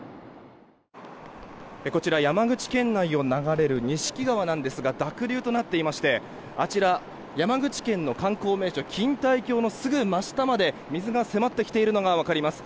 こちら山口県内を流れる錦川なんですが濁流となっていましてあちら、山口県の観光名所錦帯橋のすぐ真下まで水が迫ってきているのが分かります。